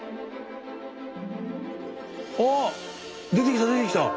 ああ出てきた出てきた！